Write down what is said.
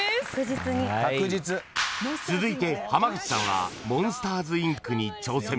［続いて浜口さんは『モンスターズ・インク』に挑戦。